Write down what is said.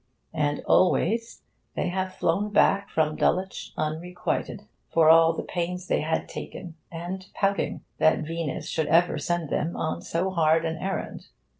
And always they have flown back from Dulwich unrequited for all the pains they had taken, and pouting that Venus should ever send them on so hard an errand.